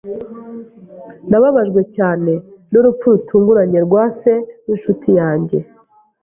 Nababajwe cyane n'urupfu rutunguranye rwa se w'inshuti yanjye.